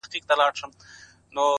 o مړاوي یې سترگي،